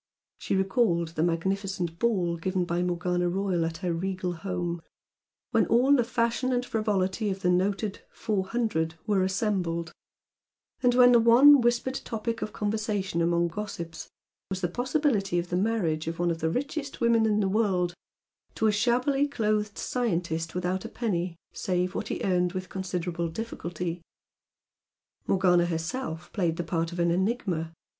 She recalled the magnificent ball given by Morgana Royal at her regal home, when all the fashion and frivolity of the noted "Four Hundred" were assembled, and when the one whispered topic of conversation among gossips was the possibility of the marriage of one of the richest women in the world to a shabbily clothed scientist without a penny, save what he earned with considerable difficulty. Morgana herself played the part of an enigma.